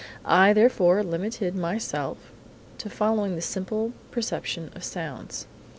I, therefore, limited myself to following the simple perception of sounds.